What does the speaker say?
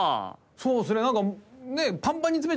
そうですよね。